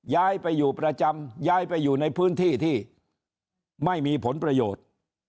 ย้ายไปอยู่ประจำย้ายไปอยู่ในพื้นที่ที่ไม่มีผลประโยชน์